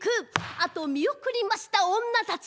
あとを見送りました女たち。